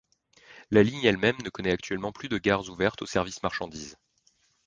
La ligne elle-même ne connaît actuellement plus de gares ouvertes au service marchandise.